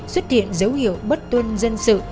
xuất hiện dấu hiệu bất tuân dân sự